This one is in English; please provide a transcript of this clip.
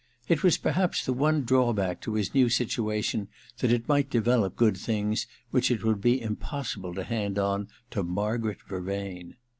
It was perhaps the one drawback to his new situation that it might develop good things which it would be impossible to hand on to Margaret Vervain.